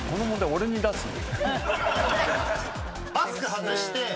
俺に出すの？